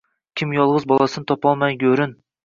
Kim yolg’iz bolasin topolmay go’rin